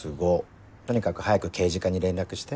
とにかく早く刑事課に連絡して。